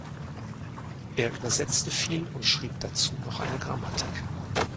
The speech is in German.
Er übersetzte viel und schrieb dazu noch eine Grammatik.